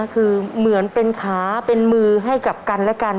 คือเหมือนเป็นขาเป็นมือให้กับกันและกัน